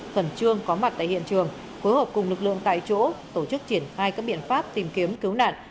khẩn trương có mặt tại hiện trường phối hợp cùng lực lượng tại chỗ tổ chức triển khai các biện pháp tìm kiếm cứu nạn